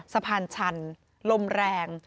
สะพานชันลมแรง